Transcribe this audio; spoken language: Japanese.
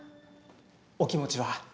お気持ちは。